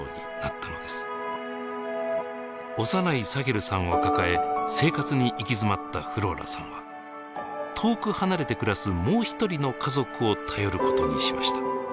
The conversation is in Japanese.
幼いサヘルさんを抱え生活に行き詰まったフローラさんは遠く離れて暮らすもう一人の家族を頼ることにしました。